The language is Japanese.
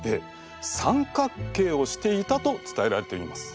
三角形をしていたと伝えられています。